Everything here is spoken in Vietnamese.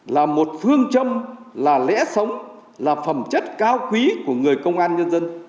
là một phương châm là lẽ sống là phẩm chất cao quý của người công an nhân dân